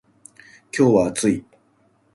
今日は暑い